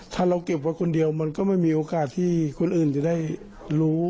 ถ้าเราเก็บไว้คนเดียวมันก็ไม่มีโอกาสที่คนอื่นจะได้รู้